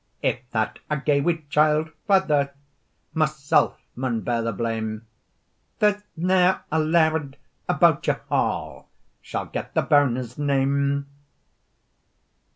"If that I gae wi' child, father, Mysel maun bear the blame; There's neer a laird about your ha Shall get the bairn's name.